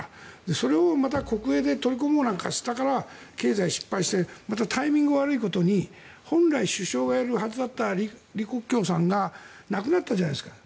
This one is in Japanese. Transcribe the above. それをまた国営で取り込もうとしたから経済が失敗してまたタイミングが悪いことに本来、首相がやるはずだった李克強さんが亡くなったじゃないですか。